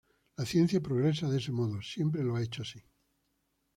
La ciencia progresa de ese modo; siempre lo ha hecho así’’.